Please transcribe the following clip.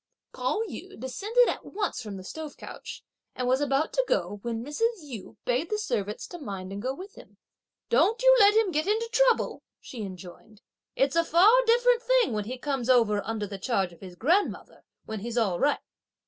Pao yü descended at once from the stove couch, and was about to go, when Mrs. Yu bade the servants to mind and go with him. "Don't you let him get into trouble," she enjoined. "It's a far different thing when he comes over under the charge of his grandmother, when he's all right."